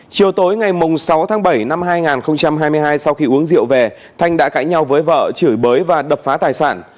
chiều tối ngày sáu tháng bảy năm hai nghìn hai mươi hai sau khi uống rượu về thanh đã cãi nhau với vợ chửi bới và đập phá tài sản